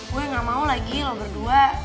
gue gak mau lagi lo berdua